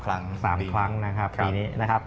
๓ครั้งนะครับปีนี้